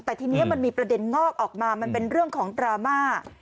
แต่ทีนี้มันมีประเด็นงอกออกมามันเป็นเรื่องของดราม่า